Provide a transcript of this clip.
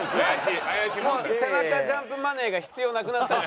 もう背中ジャンプマネーが必要なくなったの？